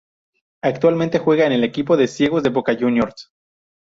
Actualmente juega en el equipo de ciegos de Boca Juniors.